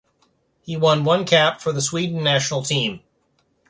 He won one cap for the Sweden national team.